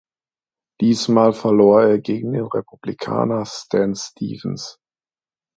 Diesmal verlor er gegen den Republikaner Stan Stephens.